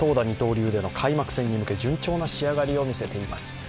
二刀流での開幕戦に向け順調な仕上がりを見せています。